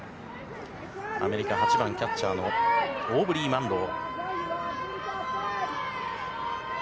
アメリカ８番キャッチャーのオーブリー・マンロー。